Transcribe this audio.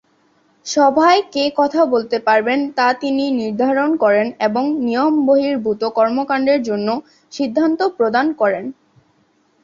সভায় কে কথা বলতে পারবেন তা তিনি নির্ধারণ করেন এবং নিয়ম-বহির্ভূত কর্মকাণ্ডের জন্য সিদ্ধান্ত প্রদান করেন।